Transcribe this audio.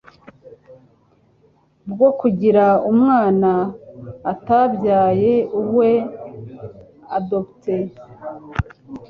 bwo kugira umwana atabyaye uwe (adopter).